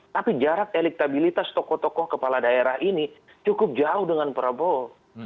tapi jarak elektabilitas tokoh tokoh kepala daerah ini cukup jauh dengan prabowo